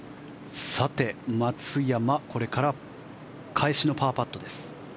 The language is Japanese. さて、松山これから返しのパーパットです。